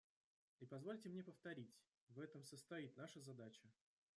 И позвольте мне повторить: в этом состоит наша задача.